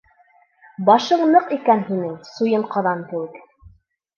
Башың ныҡ икән һинең, суйын ҡаҙан кеүек...